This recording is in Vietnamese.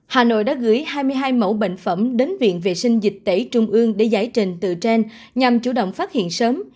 hà nội đã gửi hai mươi hai mẫu bệnh phẩm đến viện vệ sinh dịch tế trung mương để giải trình tự gen nhằm chủ động phát hiện sớm